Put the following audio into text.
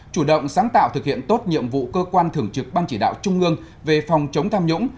chủ động sáng tạo thực hiện tốt nhiệm vụ cơ quan thường trực ban chỉ đạo trung ương về phòng chống tham nhũng